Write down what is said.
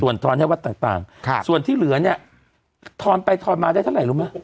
ส่วนทอนให้วัดต่างส่วนที่เหลือเนี่ยทอนไปทอนมาได้เท่าไหร่รู้ไหม